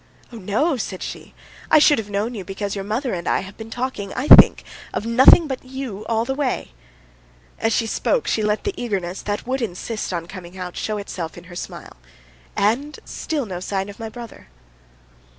"Oh, no," said she, "I should have known you because your mother and I have been talking, I think, of nothing but you all the way." As she spoke she let the eagerness that would insist on coming out show itself in her smile. "And still no sign of my brother."